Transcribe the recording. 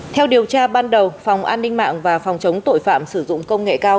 theo điều tra ban đầu phòng an ninh mạng và phòng chống tội phạm sử dụng công nghệ cao